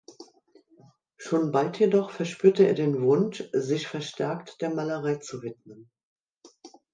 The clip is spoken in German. Schon bald jedoch verspürte er den Wunsch, sich verstärkt der Malerei zu widmen.